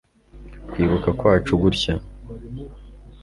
kwibuka kwacu, gutya